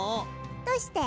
どうして？